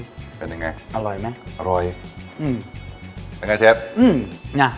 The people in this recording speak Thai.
เป็นยังไงอร่อยมั้ยอร่อยเป็นยังไงเชฟ